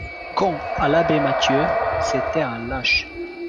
Quant à l'abbé Mathieu, c'était un lâche.